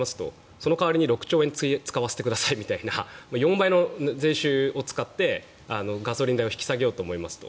その代わりに６兆円使わせてくださいみたいな４倍の税収を使ってガソリン代を引き下げようと思いますと。